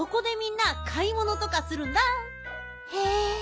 へえ。